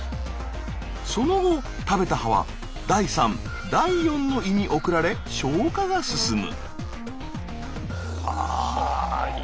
その後食べた葉は第三第四の胃に送られ消化が進む。